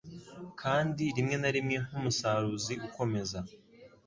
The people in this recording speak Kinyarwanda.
Kandi rimwe na rimwe nk'umusaruzi ukomeza